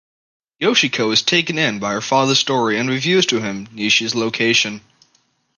Yoshiko is taken in by her father's story and reveals to him Nishi's location.